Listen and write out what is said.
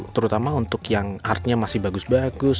terutama untuk yang artnya masih bagus bagus